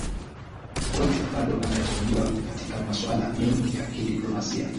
Kikwete bado anateuliwa katika masuala mengi ya kidiplomasia